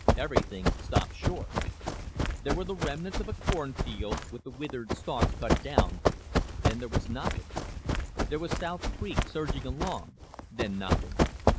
Everything stopped short. There were the remnants of a cornfield, with the withered stalks cut down, then there was nothing. There was South Creek surging along, then nothing.